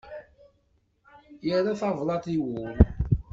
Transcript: Irra tablaḍt i wul.